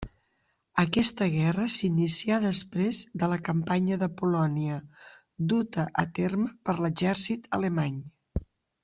Aquesta guerra s'inicià després de la Campanya de Polònia duta a terme per l'exèrcit alemany.